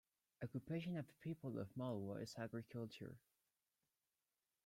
Occupation of the people of Malwa is agriculture.